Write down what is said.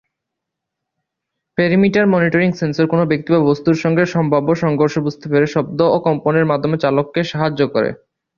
Perimeter monitoring sensor কোন ব্যক্তি বা বস্তুর সঙ্গে সম্ভাব্য সংঘর্ষ বুঝতে পেরে শব্দ ও কম্পনের মাধ্যমে চালককে সাহায্য করে।